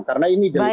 baik bang ferry